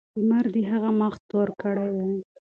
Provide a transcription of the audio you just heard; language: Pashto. لمر د هغه مخ تور کړی دی.